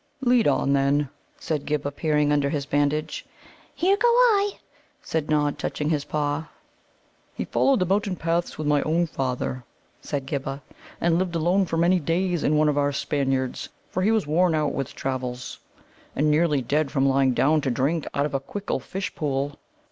"Lead on, then," said Ghibba, peering under his bandage. "Here go I," said Nod, touching his paw. "He followed the mountain paths with my own father," said Ghibba, "and lived alone for many days in one of our Spanyards, for he was worn out with travel, and nearly dead from lying down to drink out of a Quickkul fish pool.